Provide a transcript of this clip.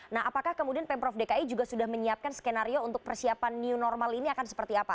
nah apakah kemudian pemprov dki juga sudah menyiapkan skenario untuk persiapan new normal ini akan seperti apa